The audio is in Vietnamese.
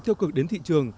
theo cực đến thị trường